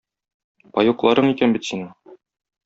Паекларың икән бит синең...